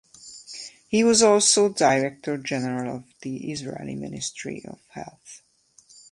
He was also Director-General of the Israeli Ministry of Health.